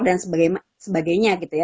dan sebagainya gitu ya